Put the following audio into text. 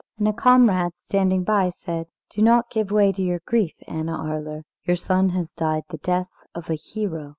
And a comrade standing by said: "Do not give way to your grief, Anna Arler; your son has died the death of a hero."